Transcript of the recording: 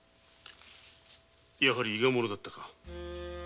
やはり「伊賀者」だったか。